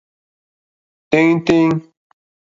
Téɲítéɲí.